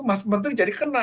mas menteri jadi kena